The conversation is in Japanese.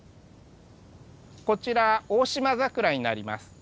こちらオオシマザクラになります。